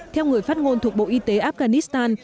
theo người phát ngôn thuộc bộ y tế afghanistan